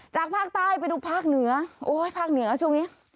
จากภาคใต้ไปดูภาคเหนือโอ้ยภาคเหนือช่วงนี้